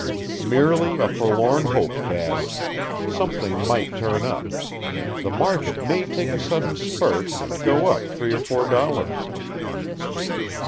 "Merely a forlorn hope, Dad. Something might turn up. The market may take a sudden spurt and go up three or four dollars."